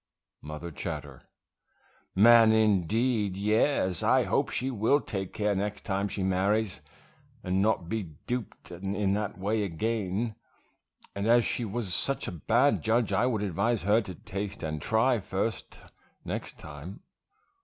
Mother Chatter, Man, indeed! yes, I hope she will take care next time she marries, and not be duped in that way again; and as she was such a bad judge I would advise her to taste and try first next time.